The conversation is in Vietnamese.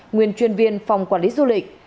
nguyên chuyên viên phòng quản lý du lịch